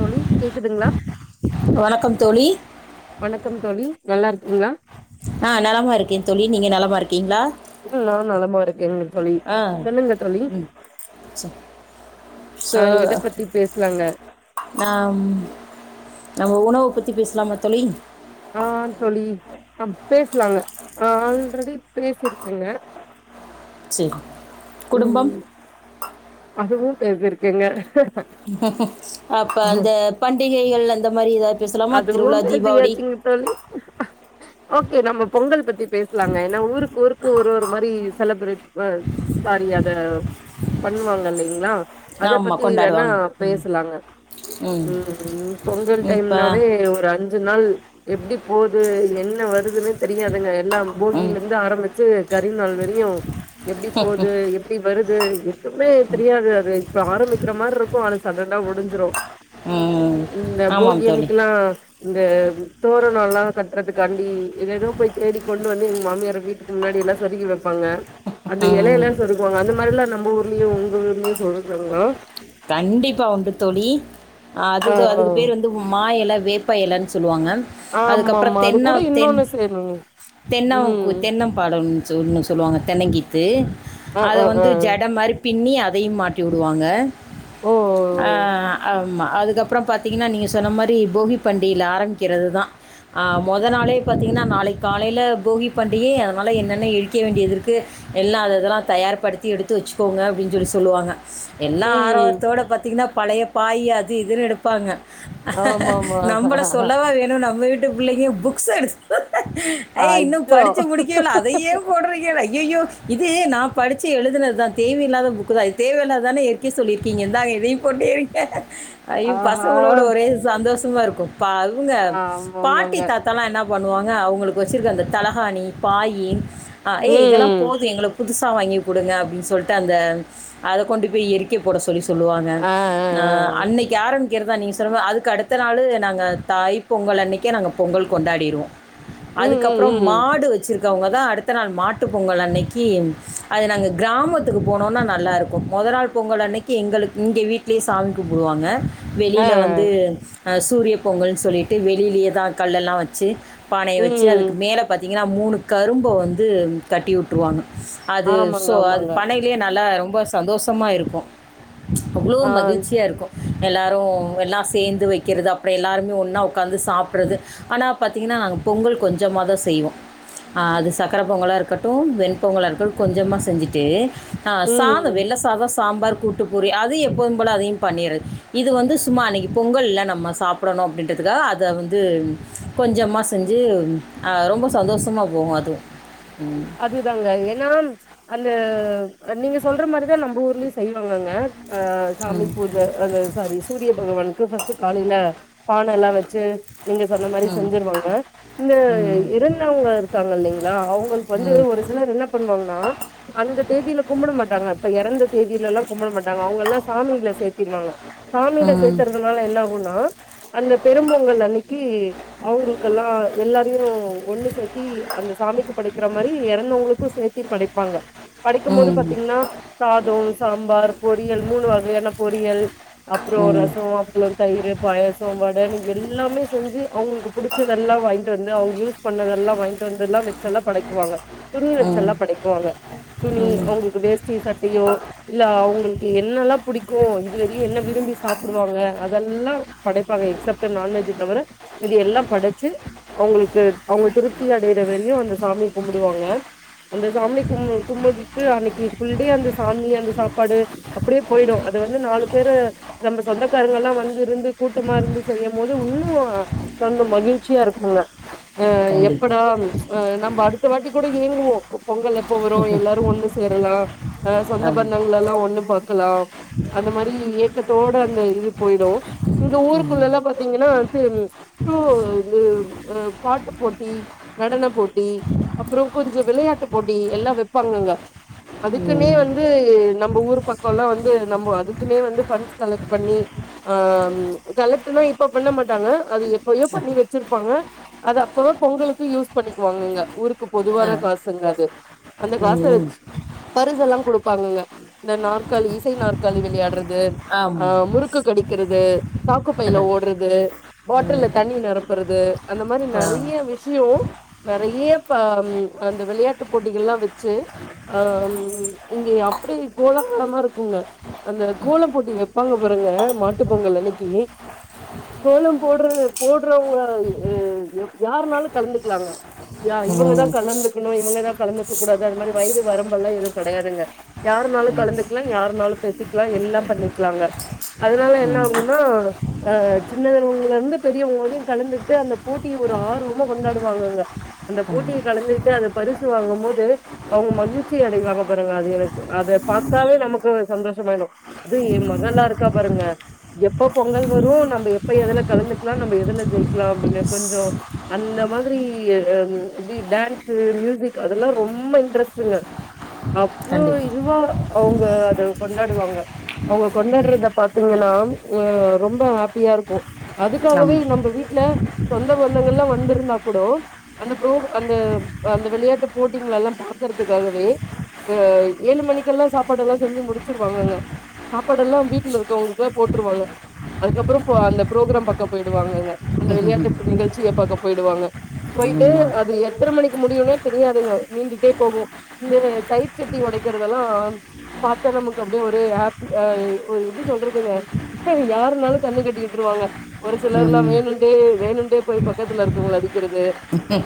தோழி கேக்குதுங்களா வணக்கம் தோழி வணக்கம் தோழி நல்லா இருக்கீங்களா ஆஹ் நலமா இருக்கேன் தோழி நீங்க நலமா இருக்கீங்களா ஆ நா நலமா இருக்கங்க தோழி ஆ சொல்லுங்க தோழி ஸோ அஹ் எத பத்தி பேசலாங்க நாம் இப்ப பேசலாமா தோழி ஆஹ் தோழி ம் பேசலாங்க ஆல்ரெடி பேசிருக்கேங்க செரி குடும்பம் இதுவு பேசி இருக்கிங்க அப்ப அந்த பண்டிகைகள் அந்த இந்த மாரி ஏதாவது பேசலாமா அதுவு திருவிழா தீபாவளி பேசியாச்சுங்க தோழி ஓக்கே நம்ம பொங்கல் பத்தி பேசலாங்க ஏன்னா ஊருக்கு ஊருக்கு ஒரு ஒரு மாரி செலிப்ரேட் ஆ சாரி அத பண்ணுவாங்க இல்லைங்களா அத ஆமாம் பத்தி வேணா கொண்டாடுவாங்க பேசலாங்க ம் ஆ பொங்கல் இப்போ டைம்ல ஒரு அஞ்சு நாள் எப்பிடி போது என்ன வருதுன்னே தெரியாதுங்க எல்லாம் ம் போகியில இருந்து ஆரம்பிச்சு கரி நாள் வரையு எப்டி போது எப்டி வருது எதுமே தெரியாது அதை இப்ப ஆரம்பிக்கிற மாரி இருக்கு ஆனா சட்டனா முடிஞ்சுரு உம் ஆமாம் தோழி இந்த தோரணல்லா கட்டுறதுக்காண்டி ஏதேதோ போய் தேடிக்கொண்டு வந்து எங்க மாமியார வீட்டுக்கு முன்னாடி எல்லா சொருகி வெப்பாங்க அந்த ம் எலையெல்லா சொருகுவாங்க அந்த மாரி எல்லா நம்ம ஊர்லயு உங்க ஊர்லயு சொருகுராங்களா கண்டிப்பா உண்டு தோழி ஆ அதுத அதுக்கு பேர் வந்து மா எல வேப்பா எலன்னு சொல்லுவாங்க அதுக்கப்புறோ ஆமாமா அது தென்ன கூட தென் இன்னொன்னு செய்யணுங்க தென்னகூ ம். தென்னம்பால சொன்னு சொல்லுவாங்க தென்னங்கித் தே அ அத அ அ. வந்து ஜட மாரி பின்னி அதையு மாட்டி உடுவாங்க ஓ! ஆ ஆம்மா அதுக்கப்புறோ பாத்திங்கன்னா நீங்க சொன்ன மாரி போகி பண்டியையில ஆரம்பிக்கிறதுதா ஆ மொத நாளே பாத்திங்கன்னா நாளைக் காலையில போகி பண்டிகை அதனால என்னென்ன எரிக்க வேண்டியது இருக்கு எல்லா அதெதல்லா தயார்படுத்தி எடுத்து வச்சுக்கோங்க அப்படின்னு சொல்லி சொல்லுவாங்க எல்லா ம். ஆரவாரத்தோட பாத்தீங்கன்னா பழைய பாய் அது இதுன்னு எடுப்பாங்க ஆமாமா. நம்பள சொல்லவா வேணு நம்ப வீடு [unintelligible] புள்ளைங்க புக்ஸ் எடுச் ஐய் இன்னு அச்சோ! படிச்சு முடிக்கவேல அதையே போடுறீங்க ஐயய்யோ இது நாம் படிச்சு எழுதுனதுதா தேவையில்லாத புக்குதா தேவையில்லாதானா ஏரிக்க சொல்லி கிங்க இந்தாங்க இதையு போட்டு எறிங்க ஐயோ ஆஹா! பசங்களோட ஒரே சந்தோஷ துவாருக்கும் பா அவங்க பாட்டி ஆமாமாங்க. தாத்தல்லா என்னாப் பண்ணுவாங்க அவங்களுக்கு வச்சிருக்க அந்த தலகாணி பாயி அ ஏய் இதெல்லா ம். போது எங்களுக் புதுசா வாங்கி குடுங்க அப்படின்னு சொல்ட்டு அந்த அத கொண்டு போயி எரிக்கப் போட சொல்லி சொ சொல்லுவாங்க ஆ ஆ நா ஆ. அன்னைக்கு ஆரம்ப் க்கிறதா நீங் சொல்லுவ அதுக்கு அடுத்த நாளு நாங்க தாய் பொங்கல் அன்னைக்கே நாங்க பொங்கல் கொண்டாடிருவோ ம் அதுக்கப்புற ம் ம். மாடு வச்சிருக் அவங்க தா அடுத்த நாள் மாட்டு பொங்கல் அன்னைக்கு அது நாங்க கிராமத்துக்கு போனோம்னா நல்லா இருக்கு மொத நாள் பொங்கல் அன்னைக் எங்களுக் இங்க வீட்லியே சாமி கூம்பிடுவாங்க ஆ. வெளியில வந்து அஹ் சூரிய பொங்கல்னு சொல்லிட்டு வெளிலயேதா கல்லெல்லா வச்சு பானையை வச்சு அதுக்கு ம். மேல பத் இங்களமூணு கரும்ப வந்து கட்டிவுட்டுருறவாங்க அது ஆமாங்க, சோ அது ஆமாங்க. பனைையிலயே நல்லா ரொம்ப சந்தோஷமா இருக்கும் அவ்வளோ ஆ. மகிழ்ச்சியா இருக்கு எல்லோரு எல்லா சேர்ந்து வைக்கிறது அப்புற எல்லாருமே ஒன்னா உக்காந்து சாப்பட்றது ஆனா பாத்திங்கன்னா நாங்க பொங்கல் கொஞ்சமாதா செய்வோ அது சர்க்கர பொங்கலா இருக்கட்டு வெண்பொங்கலாக இருக்கட்டு கொஞ்சமாக செஞ்சுட்டு ஆஹ் சாத ம். வெள்ளசாதஸ் சாம்பார் கூட்டுப்பூரி அது எப்போம போல அதயு பண்ணிர் இது வந்து சும்மா அன்னைக்கு பொங்கல்ல நம்ம சாப்படணு அப்படின்றதுக்காக அத வந்து கொஞ்சமா செஞ்சு ஆஹ் ரொம்ப சந்தோஷமா போகு அதும் அதுதாங்க ஏன்னா அந்த நீங்க சொல்ற மாரிதா நம்ம ஊர்லயு செய்வாங்கங்க சாமி ம் பூஜை அந்த சாரி சூரிய பகவான்க்கு வஸ்ட் காலையில பானைல்லா வச்சு நீங்க சொன்ன மாரி ம் செஞ்சிருவாங்க இந்த ம் இருந்தவங்க இருக்காங்க இல்லைங்களா அவங்கள் வந்து ஒரு சிலர் என்ன பண்ணுவாங்க நா அந்த தேதியில கும்பிட மாட்டாங்க இப்ப எறந்த தேதியிலல்லா கும்பிட மாட்டாங்க அவங்கல்லா சாமிள சேத்திருவாங்க சாமியில ம் சேத்தறதுனால என்ன ஆகும்னா அந்த பெரும்பொங்கல் அன்னைக்கு அவங்களுக்கெல்லா எல்லாரையு ஒண்ணு சேத்தி அந்த சாமிக்கு படைக்க க்குற மாரி எறந்தவங்களுக்கு சேத்தி படைப்பாங்க படைக்கும் போது ம் பாத்தீங்கன்னா சாதொ சாம்பார் பொறியல் மூணு வகையான பொறியல் அப்றோ ம் ரசொ அப்பளொ தயிரு பாயசொ வ டன் எல்லாமே செஞ்சி அவுங்களுக்கு புடிச்சதெல்லா வாய்ண்ட்டு வந்து அவுங்க யூஸ் பண்ணதெல்லா வாய்ண்ட்டு வந்தெல்லா வெச்செல்லா படை குவாங்க துணி ம் வச்செல்லா படைக்குவாங்க துணி ஆமாம் அவுங்களுக்கு வேஸ்ட் டி சட்டையோ இல்ல அவுங்களுக்கு என்னல்லா புடிக்கு இதுவரையு என்ன விரும்பி சாப்டுவாங்க அதெல்லா படைப்பாங்க எக்சப்ட்டு நான்வெஜு தவர இது எல்லா படச்சி அவுங்களுக்கு அவுங்க திருப்தி அடையிற வரையு அந்த சாமி கும்புடுவாங்க அந்த சாமிக் கும்மு கும்புட்டுட்டு அன்னக்கி ஃபுல் டே அந்த சாமி அந்த சாப்பாடு அப்டியே போயிடு அத வந்து நாலு பேரு நம்ம சொந்தக்காரங்கல்லா வந்து இருந்து கூட்டமா இருந்து செய்யம் போது உன்னு ரொம்ப மகிழ்ச்சியா இருக்குங்க ஆ கண்டிப்பாக எப்படா ஆ நம்ப அடு அடுத்த வாட்டி கூட ஏங்குவோ பொங்கல் எப்ப வரு எல்லாரு ஒண்ணு சேரலா ஆ சொந்த ஆமாம் பந்தங்கள எல்லா ஒண்ணு க்கலாம் அந்த மாரி ஏக்கத்தோட அந்த இது போயிடு இங்க ம் ஊருக்குள்ளல்லா பாத்தீங்கன்னா து ஆ பாட்டு போட்டி நடன போட்டி அப்பறோ கொஞ்சொ விளையாட்டு போட்டி எல்லா வெப்பாங்கங்க அதுக்குன்னே ம் வந்து நம்ப ஊர் பக்கொல்லா வந்து நம்பொ அதுக்குனே வந்து ஃபண்ட்ஸ் கலெக்ட் பண்ணி ஆ ம் கலெக்ட்டுனா இப்ப பண்ண மாட்டாங்க அது எப்பயோ ஆ பண்ணி வச்சிருப்பாங்க அது அப்பதா பொங்கலுக்கு யூஸ் பண்ணிக்குவாங்கங்க ஊருக்கு ஆ பொதுவான காசுங்க அது அந்த காச ம் வச்சி பரிசெல்லா குடுப்பாங்கங்க இந்த நாற்காலி இசை நாற்காலி விளையாட் றது ஆமாம் முறுக்கு கடிக் கிறது சாக்கு பைல ஓட்றது பாட்டில்ல தண்ணி நெரப்புறது அந்த மாரி ஆ நெறைய விஷயொ நெறைய இப்ப ம் அந்த விளையாட்டு போட்டிகள்லா வச்சி ஆ ம் இங்கே அப்டி கோலாகலமா இருக்குங்க அந்த கோலப்போட்டி வெப்பாங்க பாருங்க மாட்டு பொங்கல் அன்னக்கி கோலம் போட்ற போட்றவங்க ம் யாருனாலு கலந்துக்கலாங்க யா இவங்க தா ம் கலந்துக்கணு இவுங்கதா கலந்துக்கக் கூடாது அது மாரி வயது வரம்பெல்லா எதுவு கடையாதுங்க யாருனாலு கலந்துக்லா யாருனாலு பேசிக்லா எல்லாம் பண்ணிக்லாங்க அதனால என்ன ஆகுன்னா ஆ சின்னதவங்கலேருந்து பெரியவ்ங்க வரையு கலந்துகிட்டு அந்த போட்டிய ஒரு ஆர்வமா கொண்டாடுவாங்கங்க அந்த போட்டிய கலந்துகிட்டு அந்த பரிசு வாங்கம்போது அவுங்க மகிழ்ச்சி அடைவாங்க பாருங்க அது எனக்கு அத பாத்தாவே நமக்கு சந்தோஷமாயிடு அதுவு ஏ மகள்லா இருக்கா பாருங்க எப்ப பொங்கல் வரு நம்ப எப்ப எதுல கலந்துக்லா நம்ப எதுல ஜெயிக்கெலா அப்டின்னு கொஞ்சொ அந்த மாதிரி ஆ ம் டி டான்ஸு மியூசிக் அதெல்லா ரொம்ப இன்ட்ரெஸ்ட்டுங்க அவ்ளோ கண்டிப்பாக இதுவா அவுங்க அத கொண்டாடுவாங்க அவுங்க கொண்டாட்றத பாத்தீங்கன்னா ஆ ரொம்ப ஹேப்பியா இருக்கு அதுக்காகவே ஆமாம் நம்ப வீட்ல சொந்த பந்தங்கள்லா வந்திருந்தா கூடோ அந்த ப்ரோக் அந்த அந்த விளையாட்டு போட்டிங்களெல்லா பாக்கற்துக்காகவே ஆ ஏழு மணிக்கெல்லா சாப்பாடு எல்லா செஞ்சி முடிச்சிருவாங்கங்க சாப்பாடு எல்லா வீட்ல இருக்கவுங்களுக்குல்லா போட்ருவாங்க அதுக்கப்பறோ போ அந்த ப்ரோக்ராம் பக்கம் போயிடுவாங்கங்க அந்த விளையாட்டு ப நிகழ்ச்சிய பாக்க போயிடுவாங்க போயிட்டு ஆமாம் அது எத் எத்தன மணிக்கு முடியுன்னே தெரியாதுங்க நீண்டுட்டே போகு இந்த தயிர் சட்டி ஒடக்கிறதெல்லா பாத்தா நமக்கு அப்டியே ஒரே ஹேப்பி ஆ எ ஒ எப்டி சொல்றதுங்க யாருனாலுங் கண்ணு கட்டி விட்ருவாங்க ஒரு சிலர்லா ம் வேணுண்ட்டே வேணுன்ட்டே போய் பக்கத்துல இருக்கவுங்கள அடிக்கெறது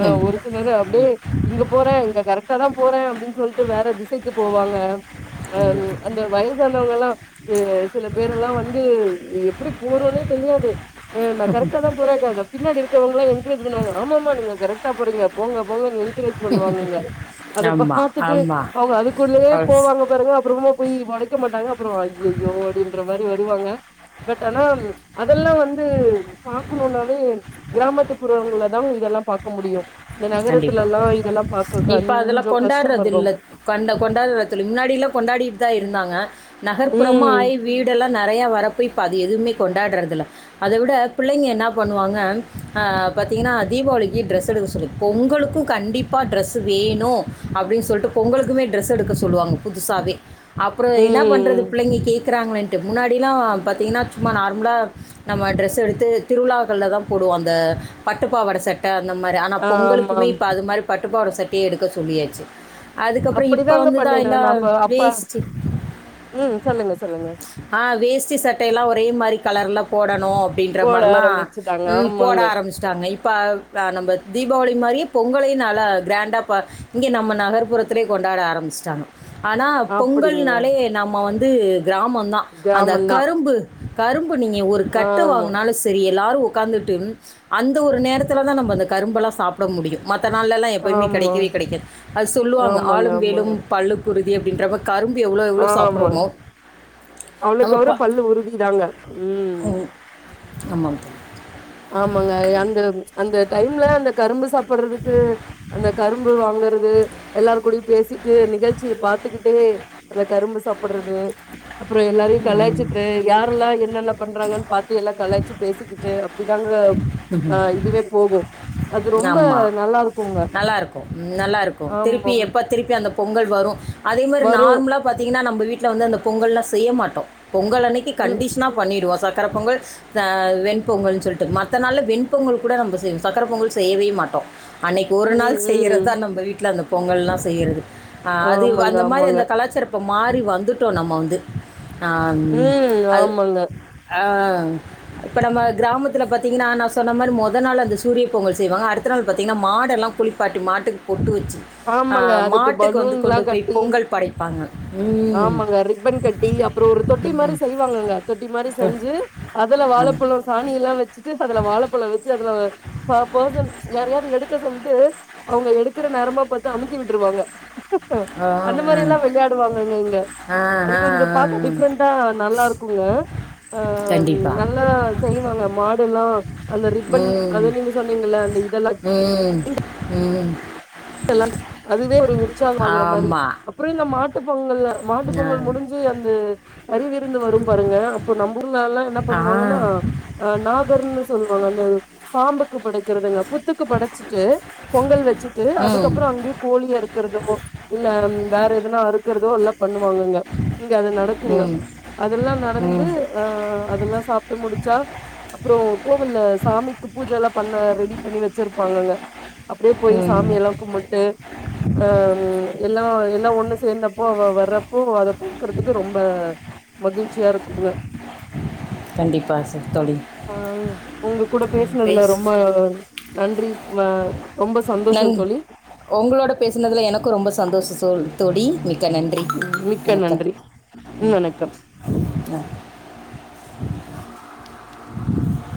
ஆ ஒரு சிலரு அப்டியே இங்க போற இங்க கரெக்ட்டா தா போற அப்டின் சொல்ட்டு வேற திசைக்கு போவாங்க அ அந்த வயசானவங்கல்லா இ சில பேரெல்லா வந்து எப்டி போறத்னே தெரியாது ஆ நா கரெக்ட்டா தா போறே க பின்னாடி இருக்கவுங்கல்லா என்க்ரேஜ் பண்ணுவாங்க ஆமா ஆ மா நீங்க கரெக்ட்டா போறீங்க போங்க போங்கன் என்கரேஜ் பண்ணுவாங்கங்க அத ஆமாம் பார்த்துட்டு ஆமாம் அவுங்க அதுக்குள்ளயே போவாங்க பாருங்க அப்புறமா போயி உடைக்க மாட்டாங்க அப்ரோ ஐயய்யோ அப்டின்ற மாரி வருவாங்க பட் ஆனா அதெல்லா வந்து பக்கணும்னாவே கிராமத்துப்புறங்கள தா இதெல்லா பார்க்க முடியு இந்த கண்டிப்பா நகரத்துலல்லா இதெல்லா பாக்க இப்ப அதெல்லா கொஞ்சோ கஷ்டமா கொண்டாடுறது இருக்கு இல்ல கண்ட கொண்டாடுறதுல்ல முன்னாடிலா கொண்டாடிட்டுதா இருந்தாங்க நகர்ப்புறமா ம் ஆயி வீடெல்லா நெறைய வரப்ப இப் இப்ப அது எதுவுமே கொண்டாடுறதில்லை அத விட பிள்ளைங்க என்ன பண்ணுவாங்க ஆஹ்ன் பார்த்தீங்கன்னா தீபாவளிக்கு ட்ரெஸ் எடுக்க சொல்லி பொங்கலுக்கு கண்டிப்பா ட்ரெஸ்ஸு வேணும் அப்டின்னு சொல்லிட்டு பொங்கலுக்குமே ட்ரெஸ் எடுக்க சொல்லுவாங்க புதுசாவே அப்ரோ என்ன ம் பண்ணறது பிள்ளைங்க கேட்குறாங்களேன் ட்டு முன்னாடிலா பார்த்தீங்கன்னா சும்மா நார்மலா நம்ம ட்ரெஸ் எடுத்து திருவிழாளக்கள்ள தா போடுவோ அந்த பட்டுப்பாவட சட்டை அந்த மாரி பொங்கலுக்குமே ஆமாம் இப்ப அது மாரி பட்டுப்பாவட சட்டையே எடுக்க சொல்லியாச்சு அதுக்கப்ரோ இப்ப அப்படிதாங்க வந்துதா பண்ணினோ எல்லா நம்ம அப்ப வேஸ்ட்டு ம் சொல்லுங்க சொல்லுங்க ஆஹ்ன் வேஸ்ட்டி சட்டையெல்லா ஒரே மாரி கலர்ல போடணு னு அப்டின்ற ஓட மாரிலா ஆரம்பிச்சுட்டாங்க ம் போட ஆமாங்க ஆரம்பிச்சிட்டாங்க இப்ப அ நம்ம தீபாவளி மாரியே பொங்கலையு நல்லா கிராண்டா பா இங்க நம்ம நகர் புறத்துலே கொண்டாட ஆரம்பிச்சிட்டாங்க ஆனா அப்படிங்க பொங்கல்னாலே நம்ம வந்து கிராமந்தா அந்த கிராமந்தா கரும்பு- கரும்பு நீங்க ஒரு கட்டு ஆமா வாங்கினாலு சரி எ ல்லாரு உக்காந்துட்டு அந்த ஒரு நேரத்துல தா நம்ம அந்த கரும்பல்லா சாப்ட முடியு மத்த நாள்லலா எப்போயுமே ஆமா கெடைக்கவே கெடைக்காது அது சொல்லுவாங்க ஆமாங்க ஆளும் ஆமாங்க வேலும் பல்லுக்குறுதி அப்டின் [unintelligible] ஆமா நம்ம அவ்ளோக்கு அவுற ப பல்லு உறுதி தாங்க உம் ஆமாங்க இந்த டைம்ல அந்த கரும்பு சாப்புட்றதுக்கு அந்த கரும்பு வாங்கறது எல்லார் கூடயு பேசி நிகழ்ச்சிய பாத்துக்கிட்டே அந்த கரும்பு சாப்புட்றது அப்ரோ எல்லாரையு கலாய்ச்சிட்டு யாரெல்லா என்னென்ன பண்றாங்கன்னு பாத்து எல்லா கலாய்ச்சு பேசிக்கிட்டு இதாங்க அது ரொம்ப ஆமா நல்லா இருக்குங்க நல்லா இருக்கு நல்லா இருக்கு திருப்பி ஆமாம் எப்ப திருப்பி அந்த பொங்கல் வரும் அதே மாதிரி வரு நார்மலா பாத்தீங்கன்னா நம்ம வீட்ல வந்து அந்தப் பொங்கல்லா செய்ய மாட்டோ பொங்கல் அன்னைக்கு ம் கண்டிஷனா பண்ணிருவாங் சக்கர பொங்கல் ஸ் அ வெண் பொங்கல்னு சொல்லிட்டு மத் த நாள் ல வெண்பொங்கல் கூட நம்ப செய்வோ சக்கர பொங்கல் செய்யவே மாட்டோ அன்னைக்கு ஒரு ம் நாள் ம் ம் செய்றதா நம்ம வீட்ல அந்தப் பொங்கல்லா செய்றது ஆஹ் அதுவ் ஆமாங்க அந்த மாதிரி ஆமாங்க அந்த கலாச்சார மாறி வந்துட்டோ நம்ம வந்து ம் ஆமாங்க ஆஹ் இப்ப நம்ம கிராமத்துல பாத் தீங்கன்னா நா சொன்ன மாரி மொத நாள் அந்த சூரிய பொங்கல் செய்வாங்க அடுத்த நாள் பாத்தீங்கன்னா மாடெல்லா குளிப்பாட்டி மாட்டுக்கு பொட்டு வெச் ஆமாங்க அதுக்கு பலூன்ல்லா போய் கட்டி பொங்கல் படைப்பாங்க ம் ஆமாங்க ரிப்பன் கட்டி அப்புறோ ஒரு தொட்டி மாரி செய்வாங்கங்க தொட்டி மாரி செஞ்சு அதுல ம். வாழப்பழம் சாணி எல்லா வெச்சு சீஸ் பண்ணுனதுல வாழப்பழம் வெச்சு அதுல ப-பர்சன் யாரையாவது எடுக்க சொல்லிட்டு அவங்க எடுக்குற நேரமாப் பாத்து அமுக்கி விட்டுருவாங்க ஆ அந்த மாரி எல்லா விளையாடுவாங்கங்க இங்க ஆ ஆ அது கொஞ்சோ பாக்க ஆ டிஃப்ரெண்ட்டா நல்லா இருக்குங்க ஆஹ் கண்டிப்பாக நல்லா செய்வாங்க மாடெல்லா அந்த ரிப்பன் ம் அது நீங்க சொன்னீங்கல்ல அந்த இதெல்லா ம் ம் ட்லாங் அதுவே ஒரு உற்சாகம் ஆகுற மாரி ஆமாம் அப்புறோ இந்த மாட் டுப் பொங் இன்னுல்ல மாட்டுப் பொங்கல் முடிஞ்சு அந்த கறிவிருந்து வரும் பாருங்க அப்போ நம்ம ஊரு ஆளுல்லா என்ன ஆ பண்ணுவாங்கன்னா நா கர்னு சொல்லுவாங்க அந்த பாம்புக்கு படைக்கிறதுங்க புத்துக்கு படைச்சிட்டு பொங்கல் வெச்சு ம் அதுக்கப்புறோ அங்கேயே கோழி அறுக்கிறது இல்ல ம் வேற எதனா அறுக்கிறதோ எல்லா பண்ணுவாங்கங்க இங்க அது நடக்குங்க ம் அதெல்லா நடந்து ம் ஆஹ அதெல்லா சாப்ட்டு முடிச் சா அப்புறோ கோவில்ல சாமிக்கு பூஜல்லா பண்ண ரெடி பண்ணி வெச்சிருப்பாங்கங்க அப்டியே போய்ஸ் ம் சாமியெல்லா கும்புட்டு அஹ் ம் எல்லா எல்லா ஒண்ணு சேர்ந்தப்போ அவ வர்றப்போ அத பாக்குறதுக்கு ரொம்ப மகிழ்ச்சியா இருக்குங்க கண்டிப்பாக சார் தொழில் ஆஹ் உங்க கூட பேசினதுல பேசு ரொம்ப நன்றி வா ரொம்ப சந்தோஷ் னங் உங்களோட பேசினதுல எனக்கூ ரொம்ப சந்தோஷோ சோ தோழி மிக்கநன்றி ம் மிக்க நன்றி வணக்கம் ம் வணக்கம் ஆ